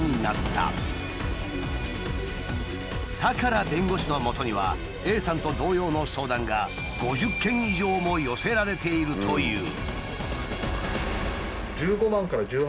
良弁護士のもとにはＡさんと同様の相談が５０件以上も寄せられているという。